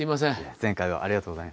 前回はありがとうございました。